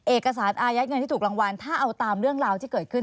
เอกสารอายัดเงินที่ถูกรางวัลถ้าเอาตามเรื่องราวที่เกิดขึ้น